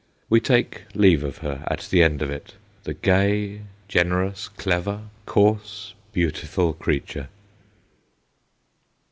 We take leave of her at the end of it the gay, generous, clever, coarse, beautiful creature.